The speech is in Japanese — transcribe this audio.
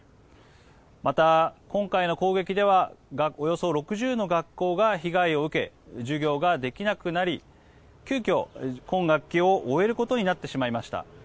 また、今回の攻撃ではおよそ６０の学校が被害を受け、授業ができなくなり急きょ、今学期を終えることになってしまいました。